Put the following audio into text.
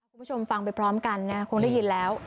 คุณผู้ชมฟังไปพร้อมกันนะคงได้ยินแล้ว